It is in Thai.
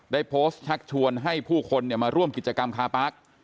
ได้โพสต์ชักชวนให้ผู้คนมาร่วมกิจกรรมคาปาร์ค